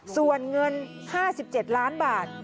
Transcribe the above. ส่วนเงิน๕๗ล้านบาท